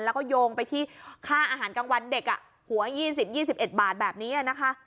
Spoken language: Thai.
แล้วก็โยงไปที่ค่าอาหารกลางวันเด็กหัว๒๐๒๑บาทแบบนี้นะคะ